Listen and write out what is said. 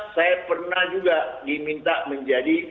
saya pernah juga diminta menjadi